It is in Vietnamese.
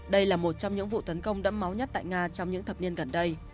đây là một trong những vụ tấn công đẫm máu nhất tại nga trong những thập niên gần đây